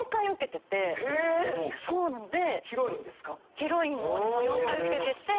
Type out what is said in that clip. ヒロインのオーディション４回受けてて。